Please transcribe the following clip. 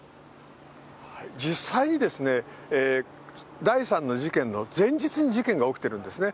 実際に第３の事件の前日に事件が起きているんですね。